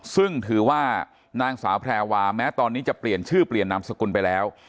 ซึ่งถือว่านางสาวแพรวาแม้ตอนนี้จะเปลี่ยนชื่อเปลี่ยนนามสกุลไปแล้ว